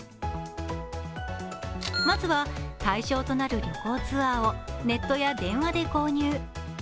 まずは、対象となる旅行ツアーをネットや電話で購入。